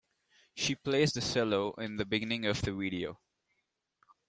She plays the cello in the beginning of the video.